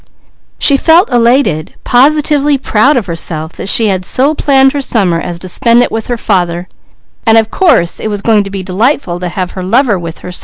She felt elated that she had so planned her summer as to spend it with her father, while of course it was going to be delightful to have her lover with her.